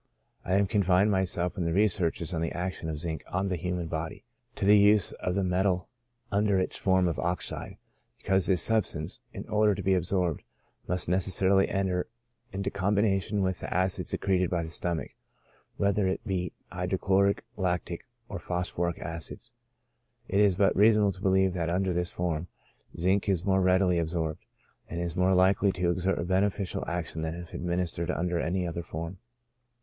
I have confined myself in my researches on the action of zinc on the human body, to the use of the metal under its form of oxide, because this substance, in order to be ab sorbed, must necessarily enter into combination with the acid secreted by the stomach, whether it be hydrochloric, lactic, or phosphoric acids. It is but reasonable to believe that under this form, zinc is more readily absorbed, and is more likely to exert a beneficial action than if administered under any other form.